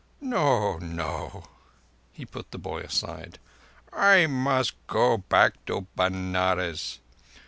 "No—no." He put the boy aside. "I must go back to Benares.